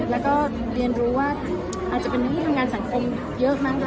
และเรียนรู้ว่าอาจจะเป็นที่ทำงานสังคมเยอะมาก